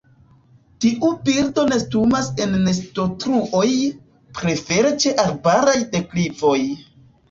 Tiu birdo nestumas en nestotruoj, prefere ĉe arbaraj deklivoj.